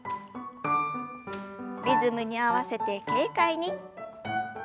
リズムに合わせて軽快に。